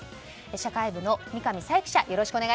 社会部の三上紗永記者